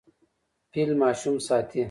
فیل ماشوم ساتي.